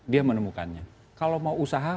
dia menemukannya kalau mau usaha